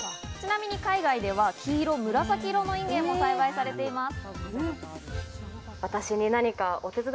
ちなみに海外では黄色、紫色のインゲンも栽培されています。